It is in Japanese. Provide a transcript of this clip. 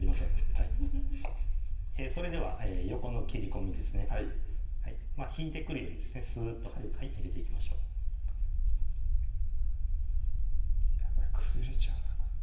はいそれでは横の切り込みですねはい引いてくるようにスーッと入れていきましょう崩れちゃう